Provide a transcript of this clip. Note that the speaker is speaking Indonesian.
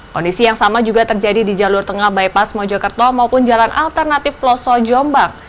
kondisi yang sama juga terjadi di jalur tengah bypass mojokerto maupun jalan alternatif peloso jombang